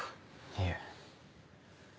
いえ。